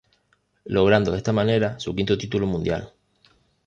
Logrando de esta manera su quinto título mundial.